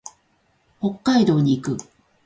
北海道に行く。